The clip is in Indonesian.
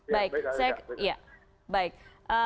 baik baik kak baik kak